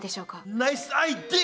ナイスアイデア！